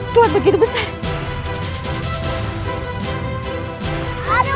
keluar begitu besar